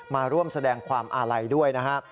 มาร่วมแสดงความอาลัยด้วยนะฮะ